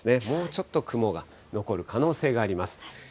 もうちょっと雲が残る可能性があります。